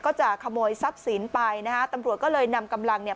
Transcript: จะขโมยทรัพย์สินไปนะฮะตำรวจก็เลยนำกำลังเนี่ย